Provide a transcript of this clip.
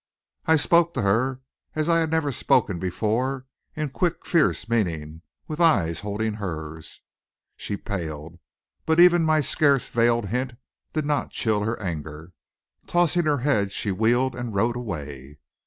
I spoke to her as I had never spoken before, in quick, fierce meaning, with eyes holding hers. She paled. But even my scarce veiled hint did not chill her anger. Tossing her head she wheeled and rode away.